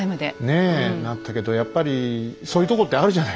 ねえなったけどやっぱりそういうとこってあるじゃない。